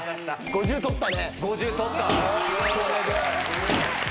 ５０取った。